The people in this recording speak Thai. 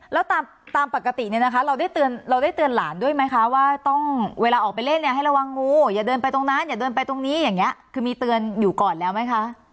แล้วตามปกติเนี่ยนะคะเราได้เราได้เตือนหลานด้วยไหมคะว่าต้องเวลาออกไปเล่นเนี่ยให้ระวังงูอย่าเดินไปตรงนั้นอย่าเดินไปตรงนี้อย่างนี้คือมีเตือนอยู่ก่อนแล้วไหมคะ